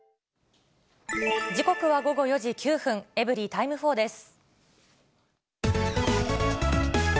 時刻は午後４時９分、エブリィタイム４です。